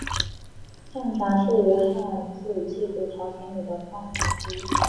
乡札是以汉字记录朝鲜语的方法之一。